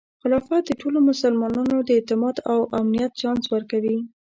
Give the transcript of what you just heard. خلافت د ټولو مسلمانانو د اعتماد او امنیت چانس ورکوي.